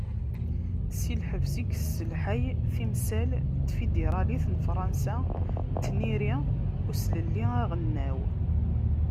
Si lhebs, i yesselḥay timsal n tfidiralit n fransa n tirni n uselelli aɣelnaw.